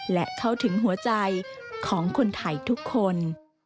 และเข้าถึงหัวใจของคนไทยทุกคน